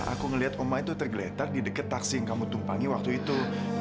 aku ngeliat oma itu tergeletak di dekat taksi yang kamu tumpangi waktu itu